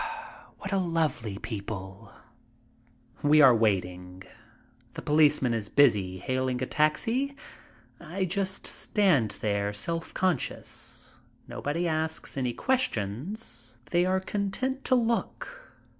What a lovely people! We are waiting. The policeman is busy hailing a taxi. I just stand there self conscious. Nobody asks any ques tions. They are content to look.